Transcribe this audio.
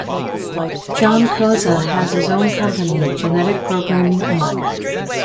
John Koza has his own company" Genetic Programming Inc.".